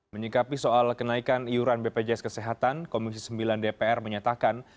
menyikapi soal kenaikan iuran bpjs kesehatan komisi sembilan dpr menyatakan